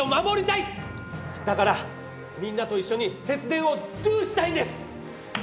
だからみんなと一緒に節電をドゥしたいんです！